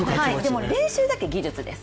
でも練習だけ技術です。